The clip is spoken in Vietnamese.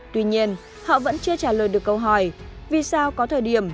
tuy nhiên họ vẫn chưa trả lời được câu hỏi vì sao có thời điểm